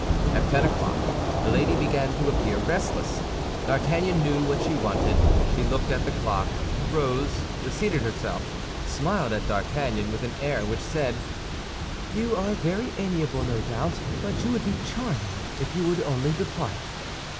At ten o'clock Milady began to appear restless. D'Artagnan knew what she wanted. She looked at the clock, rose, reseated herself, smiled at D'Artagnan with an air which said, "You are very amiable, no doubt, but you would be charming if you would only depart."